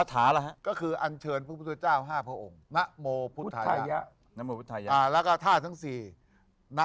คิกคิกคิกคิกคิกคิกคิกคิกคิกคิกคิก